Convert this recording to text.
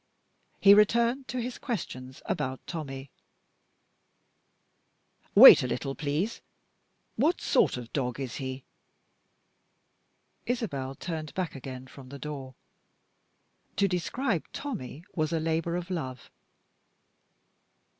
He returned to his questions about Tommie. "Wait a little, please. What sort of dog is he?" Isabel turned back again from the door. To describe Tommie was a labor of love.